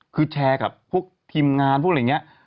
คือแชร์กับพวกทีมงานพวกอะไรอย่างนี้